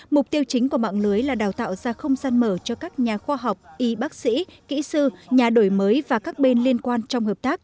mục tiêu chính của mạng lưới là đào tạo ra không gian mở cho các nhà khoa học y bác sĩ kỹ sư nhà đổi mới và các bên liên quan trong hợp tác